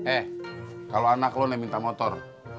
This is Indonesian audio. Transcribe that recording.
eh kalau anak lo yang minta motor